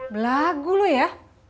belagu lu ya